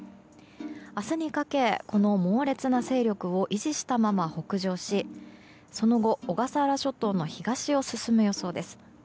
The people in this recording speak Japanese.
明日にかけ、この猛烈な勢力を維持したまま北上しその後、小笠原諸島の東を進む予想です。